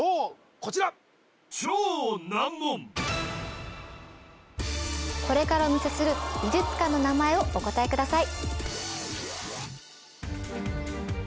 こちらこれからお見せする美術館の名前をお答えください